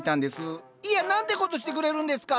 いや何てことしてくれるんですか！